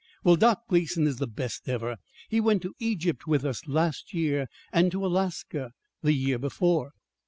"Well, Doc Gleason is the best ever. He went to Egypt with us last year, and to Alaska the year before."